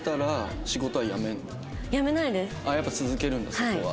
やっぱ続けるんだそこは。